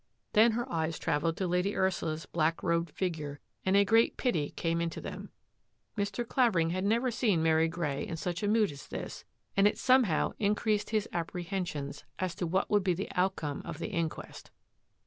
Then her eyes travelled to Lady Ursula's black robed figure and a great pity came into them. Mr. Clavering had never seen Mary Grey in such a mood as this, and it somehow increased his ap prehensions as to what would be the outcome of the inquest.